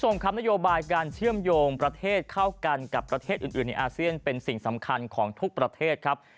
คุณผู้ชมครับนโยบายการเชื่อมโยงประเทศเข้ากันกับประเทศอื่นในอาเซียนเป็นสิ่งสำคัญของทุกประเทศครับ